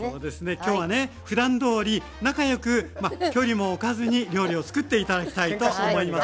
今日はねふだんどおり仲良くまあ距離も置かずに料理を作って頂きたいと思います。